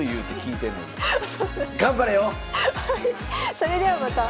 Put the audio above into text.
それではまた次回。